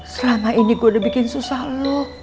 selama ini gue udah bikin susah loh